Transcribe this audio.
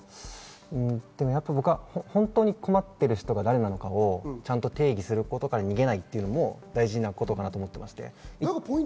でも、本当に困っている人が誰なのかをちゃんと定義することから逃げないのも大事なことかなと思います。